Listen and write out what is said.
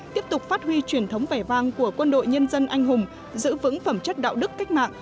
tiếp tục phát huy truyền thống vẻ vang của quân đội nhân dân anh hùng giữ vững phẩm chất đạo đức cách mạng